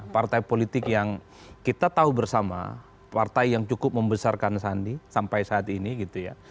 partai politik yang kita tahu bersama partai yang cukup membesarkan sandi sampai saat ini gitu ya